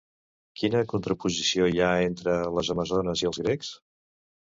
Quina contraposició hi ha entre les amazones i els grecs?